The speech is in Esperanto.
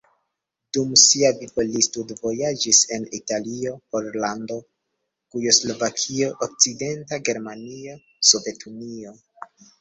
Dum sia vivo li studvojaĝis en Italio, Pollando, Jugoslavio, Okcidenta Germanio, Sovetunio.